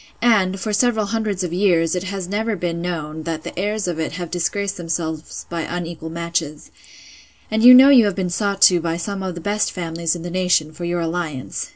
and, for several hundreds of years, it has never been known, that the heirs of it have disgraced themselves by unequal matches: And you know you have been sought to by some of the best families in the nation, for your alliance.